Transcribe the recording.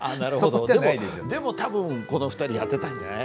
でも多分この２人やってたんじゃない。